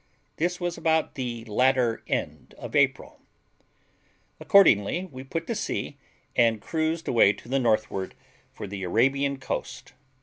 This was about the latter end of April. Accordingly we put to sea, and cruised away to the northward, for the Arabian coast.